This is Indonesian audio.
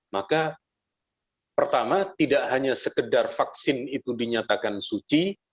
maka pertama tidak hanya sekedar vaksin itu dinyatakan suci